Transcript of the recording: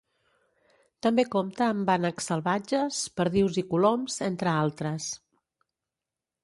També compta amb ànecs salvatges, perdius i coloms, entre altres.